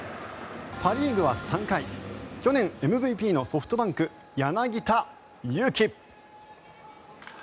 パ・リーグは３回去年、ＭＶＰのソフトバンク、柳田悠岐。